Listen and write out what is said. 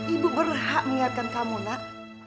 ibu berhak mengingatkan kamu nak